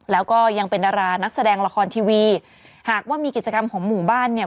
แล้วก็ยังเป็นดารานักแสดงละครทีวีหากว่ามีกิจกรรมของหมู่บ้านเนี่ย